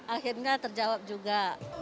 akhirnya terjawab juga